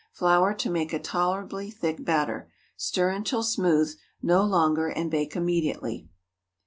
Flour to make a tolerably thick batter. Stir until smooth—no longer—and bake immediately.